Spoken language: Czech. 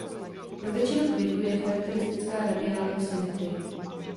Pro většinu květů je charakteristická radiální symetrie.